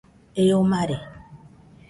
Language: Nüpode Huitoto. Eo mare